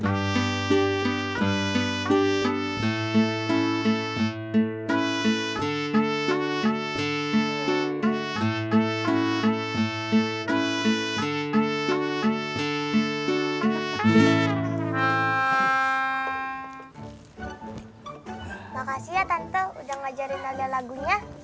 terima kasih ya tante udah ngajarin aja lagunya